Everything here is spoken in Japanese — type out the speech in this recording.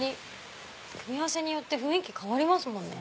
組み合わせによって雰囲気変わりますもんね。